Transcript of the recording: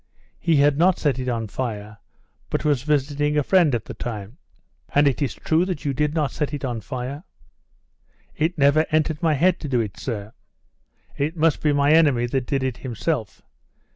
He had not set it on fire, but was visiting a friend at the time. "And it is true that you did not set it on fire?" "It never entered my head to do it, sir. It must be my enemy that did it himself.